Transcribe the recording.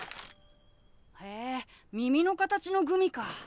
へえ耳の形のグミか。